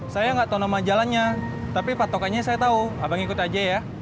saya nggak tahu nama jalannya tapi patokannya saya tahu abang ikut aja ya